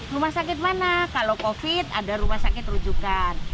rumah sakit mana kalau covid ada rumah sakit rujukan